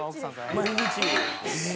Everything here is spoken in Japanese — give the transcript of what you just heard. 毎日。